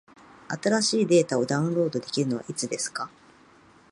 新しいデータをダウンロードできるのはいつですか？